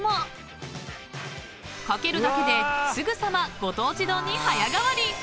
［掛けるだけですぐさまご当地丼に早変わり］